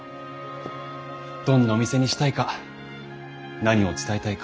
どんなお店にしたいか何を伝えたいか。